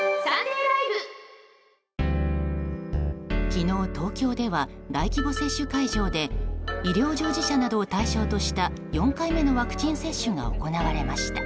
昨日、東京では大規模接種会場で医療従事者などを対象とした４回目のワクチン接種が行われました。